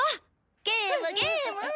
ゲームゲーム！